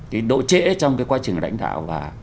cái độ trễ trong cái quá trình đảnh đạo